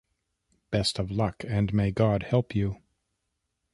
Best of luck, and may God help you.